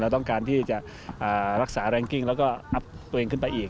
ต้องการที่จะรักษาแรงกิ้งแล้วก็อัพตัวเองขึ้นไปอีก